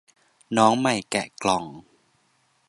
น้องใหม่แกะกล่อง